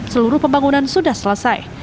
seluruh pembangunan sudah selesai